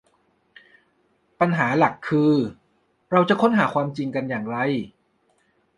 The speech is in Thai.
ปัญหาหลักคือ เราจะค้นหาความจริงกันอย่างไร